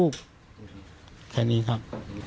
แค่นี้ครับ